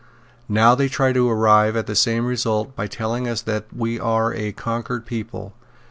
Now they try to arrive at the same result by telling us that we are a conquered people."